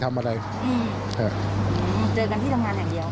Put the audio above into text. เจอกันที่ทำงานอย่างเดียว